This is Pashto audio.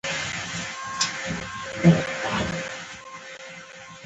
د ملکنډ د سرتوتي وی، له ناچاپ یونلیکه.